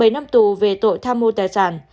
bảy năm tù về tội tham ô tài sản